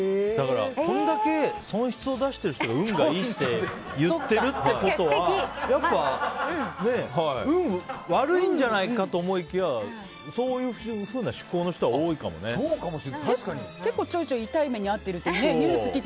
これだけ損失を出している人が運がいいって言ってるってことはやっぱね、運悪いんじゃないかと思いきやそういうふうな思考の人は結構ちょいちょい痛い目に遭ってるってニュース聞いて。